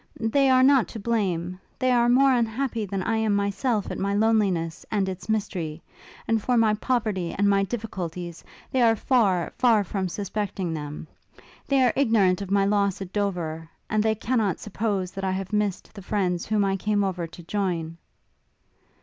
They are not to blame. They are more unhappy than I am myself at my loneliness and its mystery: and for my poverty and my difficulties, they are far, far from suspecting them! They are ignorant of my loss at Dover, and they cannot suppose that I have missed the friend whom I came over to join.'